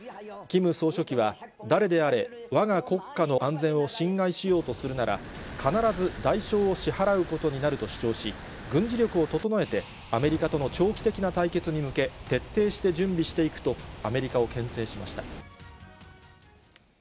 キム総書記は、誰であれ、わが国家の安全を侵害しようとするなら、必ず代償を支払うことになると主張し、軍事力を整えて、アメリカとの長期的な対決に向け、徹底して準備していくと、アメリカをけん制しました。